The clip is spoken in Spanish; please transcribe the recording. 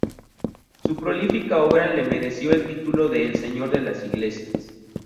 Su prolífica obra le mereció el título de "El señor de las iglesias".